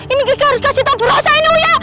ini kiki harus kasih tahu purosa ini oya